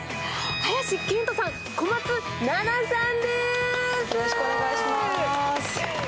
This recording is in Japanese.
林遣都さん、小松菜奈さんです。